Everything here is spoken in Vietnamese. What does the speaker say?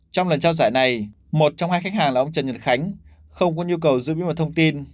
trong lần trao giải này một trong hai khách hàng là ông trần nhật khánh không có nhu cầu giữ bí mật thông tin